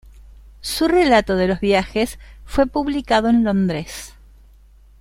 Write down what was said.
Su relato de los viajes fue publicado en Londres.